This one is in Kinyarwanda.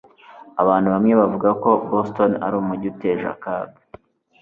abantu bamwe bavuga ko boston ari umujyi uteje akaga